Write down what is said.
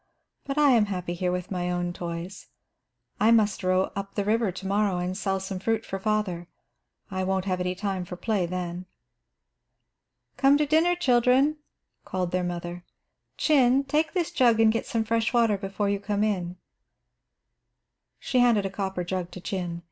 "But I am happy here with my own toys. I must row up the river to morrow and sell some fruit for father. I won't have any time for play then." "Come to dinner, children," called their mother. "Chin, take this jug and get some fresh water before you come in." She handed a copper jug to Chin.